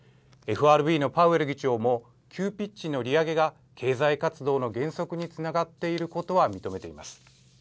ＦＲＢのパウエル議長も急ピッチの利上げが経済活動の減速につながっていることは認めています。